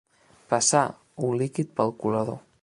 Passar un líquid pel colador.